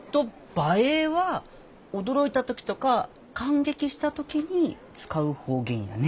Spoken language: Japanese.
「ばえー！」は驚いた時とか感激した時に使う方言やね。